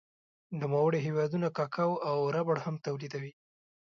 نوموړی هېوادونه کاکاو او ربړ هم تولیدوي.